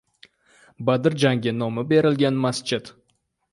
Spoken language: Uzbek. Badr jangi nomi berilgan masjid